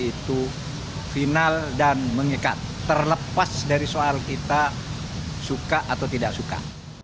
itu final dan mengikat terlepas dari soal kita suka atau tidak suka